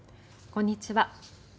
こんにちは。